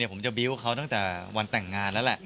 ผมจะบิวต์เขาตั้งแต่วันแต่งงานแล้วแหละ